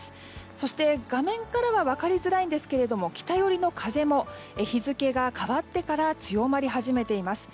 そして、画面からは分かりづらいですが北寄りの風も日付が変わってから強まり始めています。